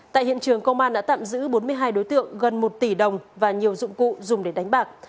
tại hiện trường công an đã tạm giữ bốn mươi hai đối tượng gần một tỷ đồng và nhiều dụng cụ dùng để đánh bạc